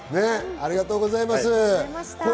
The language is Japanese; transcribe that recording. ありがとうございます。